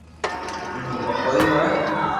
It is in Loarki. ايم تو ڪوئي ھوئي